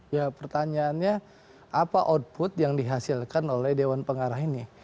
ya pertanyaannya apa output yang dihasilkan oleh dewan pengarah ini